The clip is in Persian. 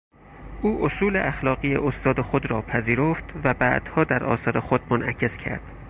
او اصول اخلاقی استاد خود را پذیرفت و بعدها در آثار خود منعکس کرد.